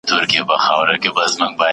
پرېکړې بايد د زور پر ځای په خوښه پلي نسي؟